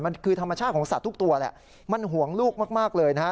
มันคือธรรมชาติของสัตว์ทุกตัวแหละมันห่วงลูกมากเลยนะฮะ